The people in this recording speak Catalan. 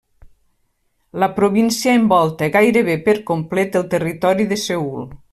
La província envolta gairebé per complet el territori de Seül.